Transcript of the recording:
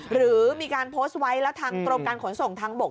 หรือมีการโพสต์ไว้แล้วทางกรมการขนส่งทางบก